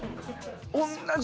おんなじ